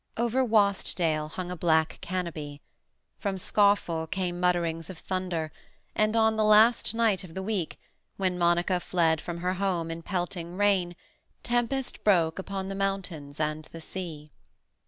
Over Wastdale hung a black canopy; from Scawfell came mutterings of thunder; and on the last night of the week—when Monica fled from her home in pelting rain—tempest broke upon the mountains and the sea.